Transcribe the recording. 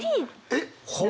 えっ？